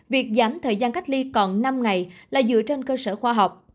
việc giảm thời gian cách ly còn năm ngày là dựa trên cơ sở khoa học